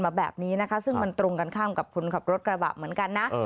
มาแบบนี้นะคะซึ่งมันตรงกันข้ามกับคนขับรถกระบะเหมือนกันนะ